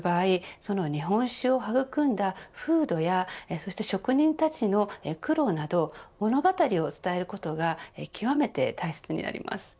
その日本酒を育んだ風土やそして職人たちの苦労など物語を伝えることが極めて大切になります。